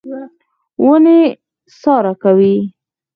ونې سا راکوي.